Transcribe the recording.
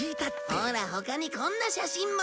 ほら他にこんな写真も。